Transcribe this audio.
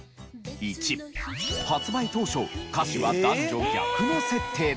１発売当初歌詞は男女逆の設定だった。